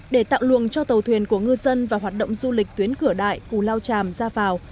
để tạo luồng cho tàu thuyền của ngư dân và hoạt động du lịch tuyến cửa đại cù lao tràm ra vào